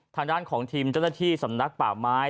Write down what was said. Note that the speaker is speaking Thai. ทางด้านของทีมเจ้าหน้าที่สำนักป่าไม้